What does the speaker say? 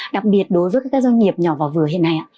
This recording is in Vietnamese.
đặc biệt đối với các doanh nghiệp nhỏ và vừa hiện nay ạ